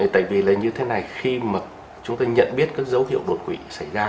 tại vì là như thế này khi mà chúng tôi nhận biết các dấu hiệu đột quỵ xảy ra